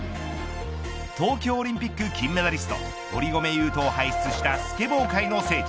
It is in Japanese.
東京オリンピック金メダリスト堀米雄斗を輩出したスケボー界の聖地